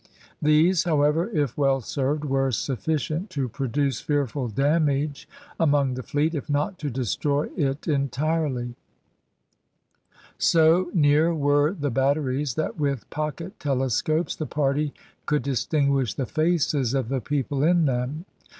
These, however, if well served, were sufficient to produce fearful damage among the fleet, if not to destroy it entirely. So near were the batteries, that with pocket telescopes the party could distinguish the faces of the people in them.